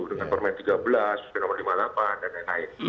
dengan permen tiga belas nomor lima puluh delapan dan lain lain